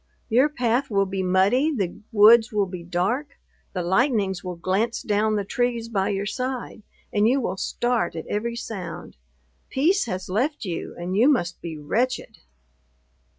Your path will be muddy; the woods will be dark; the lightnings will glance down the trees by your side, and you will start at every sound! peace has left you, and you must be wretched.